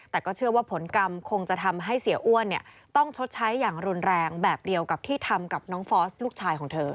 แต่ก็เชื่อว่าผลกรรมคงจะทำให้เสียอ้วนต้องชดใช้อย่างรุนแรงแบบเดียวกับที่ทำกับน้องฟอสลูกชายของเธอ